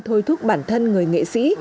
thôi thúc bản thân người nghệ sĩ